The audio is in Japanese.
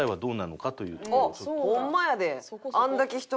あっホンマやで！